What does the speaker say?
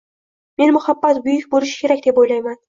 Men muhabbat buyuk bo`lishi kerak deb o`ylayman